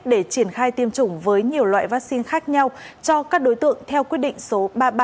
để triển khai tiêm chủng với nhiều loại vaccine khác nhau cho các đối tượng theo quyết định số ba nghìn ba trăm năm mươi năm